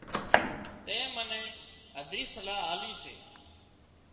تين منين هڌري صلاح آلي سي